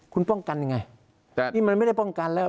คุณป้องกันยังไงนี่มันไม่ได้ป้องกันแล้ว